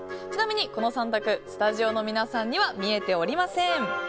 ちなみに、この３択スタジオの皆さんには見えておりません。